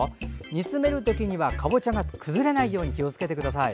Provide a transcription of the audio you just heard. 煮詰めるときにはかぼちゃが崩れないように気をつけてください。